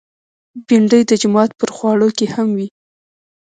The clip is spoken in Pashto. بېنډۍ د جومات پر خواړه کې هم وي